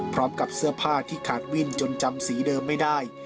พร้อมกับเสื้อผ้าที่ขาดวิ่นจนจำสีเดิมไม่ได้